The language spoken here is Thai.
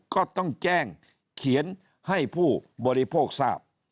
ก็ต้องแจ้งเขียนให้ผู้บริโภคทราบ